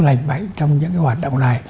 lành bệnh trong những cái hoạt động này